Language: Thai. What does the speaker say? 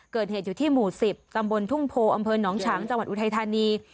เกิดเหตุอยู่ที่หมู่๑๐ตำบลทุ่งโพอำเภอหนองฉางจังหวัดอุทัยธานี